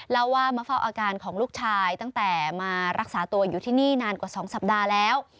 เล่าว่ามาเฝ้าอาการของลูกชายตั้งแต่มารักษาตัวอยู่ที่นี่นานกว่า๒สัปดาห์แล้ว